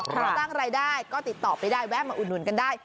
ถ้าสร้างรายได้ก็ติดต่อไปได้แวะมาอุดหนุนกันได้